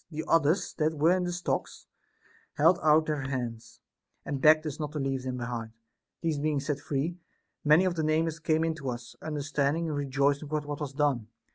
The others that were in the stocks held out their hands, and begged us not to leave them behind. These being set 422 A DISCOURSE CONCERNING free, many of the neighbors came in to us, understanding and rejoicing for what was done.